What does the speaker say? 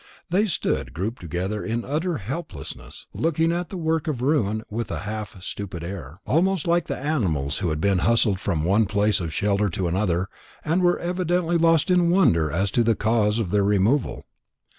They stood grouped together in utter helplessness, looking at the work of ruin with a half stupid air; almost like the animals who had been hustled from one place of shelter to another, and were evidently lost in wonder as to the cause of their removal.